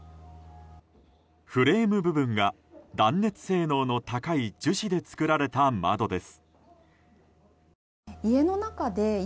フレーム部分が断熱性能の高い樹脂で作られた窓です。